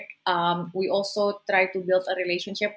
kami juga mencoba membangun hubungan